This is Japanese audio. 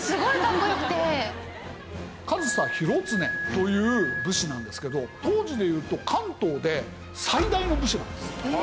上総広常という武士なんですけど当時でいうと関東で最大の武士なんです。